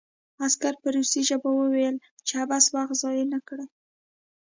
عسکر په روسي ژبه وویل چې عبث وخت ضایع نه کړي